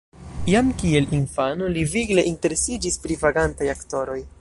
Jam kiel infano li vigle interesiĝis pri vagantaj aktoroj.